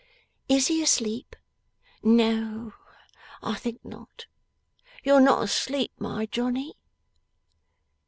'Is he asleep?' 'No, I think not. You're not asleep, my Johnny?